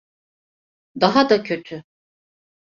Daha da kötü.